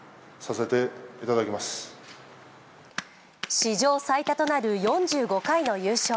史上最多となる４５回の優勝。